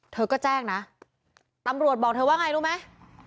เธอก็แจ้งนะตำรวจบอกเธอว่าไงรู้ไหม